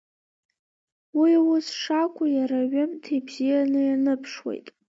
Уи ус шакәу иара аҩымҭа ибзианы ианыԥшуеит.